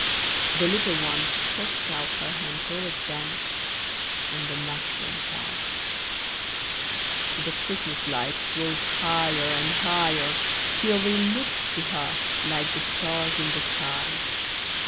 The little one stretched out her hand towards them, and the match went out. The Christmas lights rose higher and higher, till they looked to her like the stars in the sky.